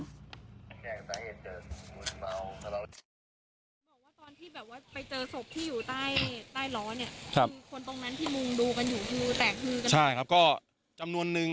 ตอนที่ไปเจอศพที่อยู่ใต้ล้อคนตรงนั้นที่มุ่งดูกันอยู่คือแตกคือกัน